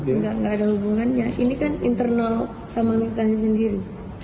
enggak ada hubungannya ini kan internal sama migrasi sendiri